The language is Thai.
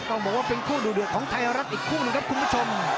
ต้องบอกว่าเป็นคู่ดูเดือดของไทยรัฐอีกคู่หนึ่งครับคุณผู้ชม